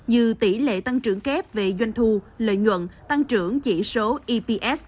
như tỷ lệ tăng trưởng kép về doanh thu lợi nhuận tăng trưởng chỉ số eps